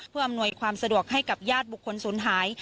เพื่ออำนวยความสะดวกให้กับญาติบุคคลศูนย์หาย